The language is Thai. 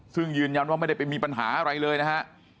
ซึ่งยืนยันว่าไม่ได้ไปมีปัญหาอะไรเลยนะฮะ